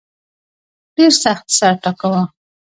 ډېر سخت سر ټکاوه.